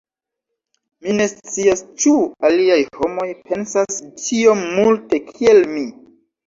Mi ne scias ĉu aliaj homoj pensas tiom multe kiel mi.